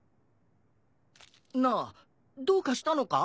なあどうかしたのか？